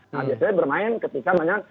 nah biasanya bermain ketika memang